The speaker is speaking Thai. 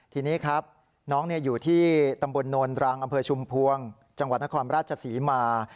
ทีนี้ครับน้องอยู่ที่ตำบลโนนรังอำเภอชุมพวงจังหวัดนครราชศรีมา